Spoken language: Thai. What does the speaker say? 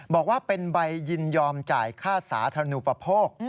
บอกว่าเป็นใบยินยอมจ่ายค่าสาธารณูปโภค